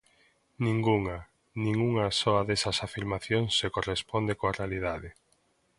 Ningunha, nin unha soa desas afirmacións se corresponde coa realidade.